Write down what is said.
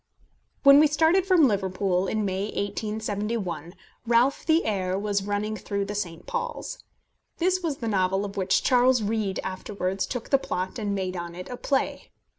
When we started from Liverpool, in May 1871, Ralph the Heir was running through the St. Paul's. This was the novel of which Charles Reade afterwards took the plot and made on it a play.